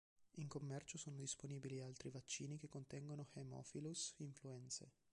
In commercio sono disponibili altri vaccini che contengono Haemophilus influenzae.